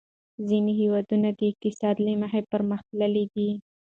ځینې هېوادونه د اقتصاد له مخې پرمختللي دي.